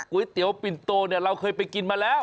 ก๋วยเตี๋ยวปินโต้เราเคยไปกินมาแล้ว